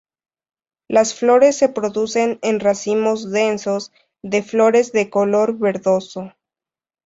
Las flores se producen en racimos densos de flores de color verdoso.